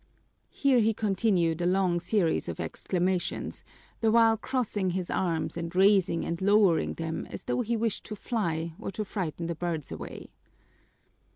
Here he continued a long series of exclamations, the while crossing his arms and raising and lowering them as though he wished to fly or to frighten the birds away.